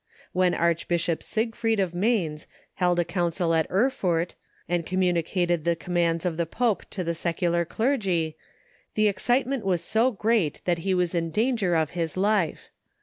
When Archbishop Siegfried of Mainz held a council at Erfurt, and communicated the commands of the Pope to the secular clergy, the excitement was so great that he was in danger of his life.